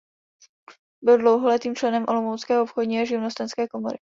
Byl dlouholetým členem olomoucké obchodní a živnostenské komory.